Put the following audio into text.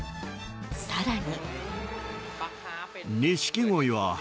更に。